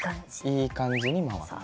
いい感じに回ってる。